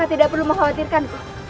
tidak aku khawatirkan